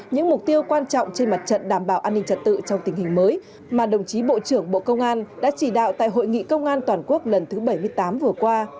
những mục tiêu quan trọng trên mặt trận đảm bảo an ninh trật tự trong tình hình mới mà đồng chí bộ trưởng bộ công an đã chỉ đạo tại hội nghị công an toàn quốc lần thứ bảy mươi tám vừa qua